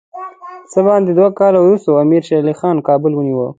څه باندې دوه کاله وروسته امیر شېر علي خان کابل ونیوی.